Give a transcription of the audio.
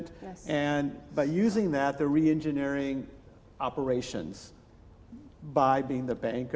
dan dengan menggunakan itu mereka mengoperasikan operasi dengan menjadi bank